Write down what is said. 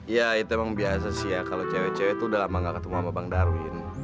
ya itu emang biasa sih ya kalau cewek cewek itu udah lama gak ketemu sama bang darwin